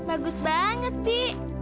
wah bagus banget bi